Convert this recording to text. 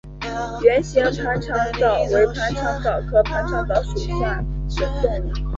圆形盘肠蚤为盘肠蚤科盘肠蚤属的动物。